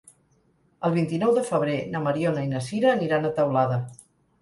El vint-i-nou de febrer na Mariona i na Sira aniran a Teulada.